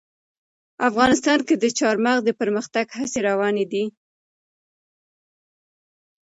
افغانستان کې د چار مغز د پرمختګ هڅې روانې دي.